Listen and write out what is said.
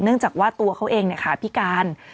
เนื่องจากว่าตัวเขาเองเนี่ยค่ะพิการ